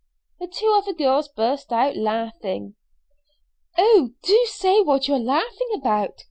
The two other girls burst out laughing. "Oh, do say what you are laughing about!"